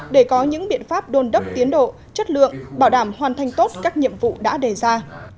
để có những biện pháp đôn đốc tiến độ chất lượng bảo đảm hoàn thành tốt các nhiệm vụ đã đề ra